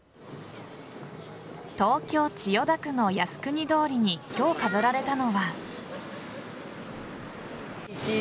東京・千代田区の靖国通りに今日、飾られたのは。